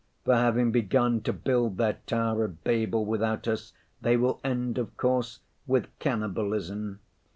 For having begun to build their tower of Babel without us, they will end, of course, with cannibalism.